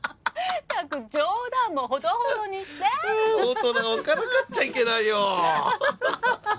ったく冗談もほどほどにして大人をからかっちゃいけないよハハハハハ